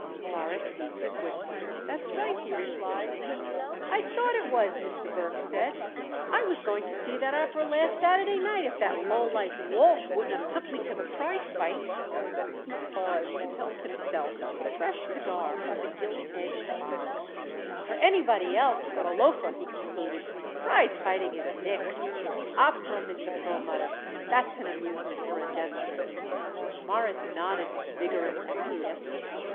Morris ceased his whistling. "That's right," he replied. "I thought it was," Mr. Burke said. "I was going to see that opera last Saturday night if that lowlife Walsh wouldn't have took me to the prize fight." He paused and helped himself to a fresh cigar from the "gilt edged" box. "For anybody else but a loafer," he concluded, "prize fighting is nix. Opera, Mr. Perlmutter, that's an amusement for a gentleman." Morris nodded a vigorous acquiescence.